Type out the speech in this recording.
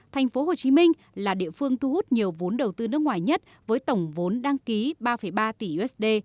thành phố hồ chí minh là địa phương thu hút nhiều vốn đầu tư nước ngoài nhất với tổng vốn đăng ký ba ba tỷ usd